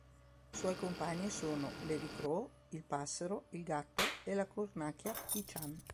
Suoi compagni sono "Lady Crow", il "Passero", il "Gatto" e la cornacchia Pi-chan.